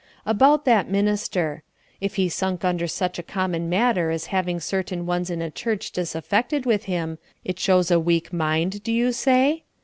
About that minister: If he sunk under such a common matter as having certain ones in a church disaffected with him, it shows a weak mind, do you say?